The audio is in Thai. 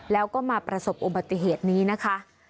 แล้วก็มาประสบอุบัติเหตุนี้นะคะ